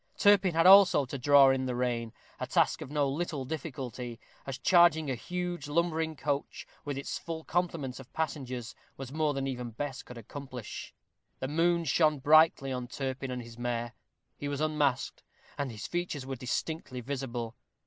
Turpin had also to draw in the rein, a task of no little difficulty, as charging a huge, lumbering coach, with its full complement of passengers, was more than even Bess could accomplish. The moon shone brightly on Turpin and his mare. He was unmasked, and his features were distinctly visible.